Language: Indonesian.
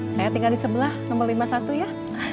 saya tinggal di sebelah nomor lima puluh satu ya